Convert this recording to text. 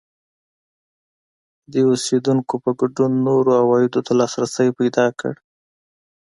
عادي اوسېدونکو په ګډون نورو عوایدو ته لاسرسی پیدا کړ